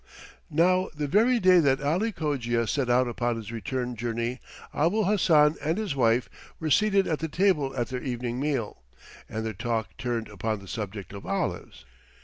Now the very day that Ali Cogia set out upon his return journey Abul Hassan and his wife were seated at the table at their evening meal, and their talk turned upon the subject of olives.